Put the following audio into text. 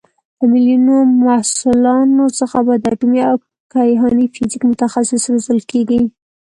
له میلیون محصلانو څخه به د اټومي او کیهاني فیزیک متخصص روزل کېږي.